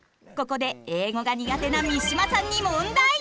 ここで英語が苦手な三島さんに問題！